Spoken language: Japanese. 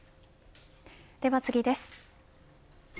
では次です。